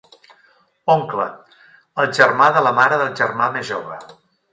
Oncle: El germà de la mare del germà més jove.